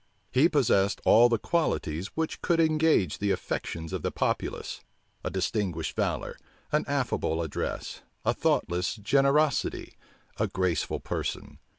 He possessed all the qualities which could engage the affections of the populace; a distinguished valor, an affable address, a thoughtless generosity, a graceful person.